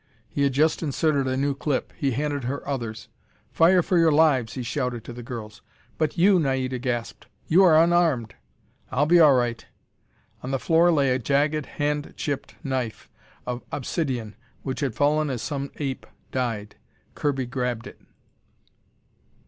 He had just inserted a new clip. He handed her others. "Fire for your lives!" he shouted to the girls. "But you!" Naida gasped. "You are unarmed!" "I'll be all right." On the floor lay a jagged, hand chipped knife of obsidion which had fallen as some ape died. Kirby grabbed it.